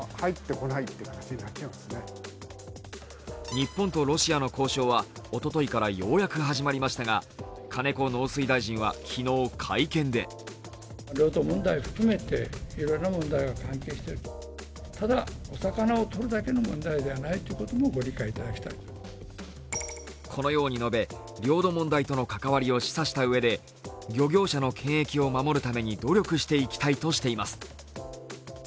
日本とロシアの交渉はおとといからようやく始まりましたが金子農水大臣は昨日会見でこのように述べ領土問題との関わりを示唆したうえで漁業者の権益を守るために努力していきたいとしています。